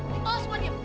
tolong semua diam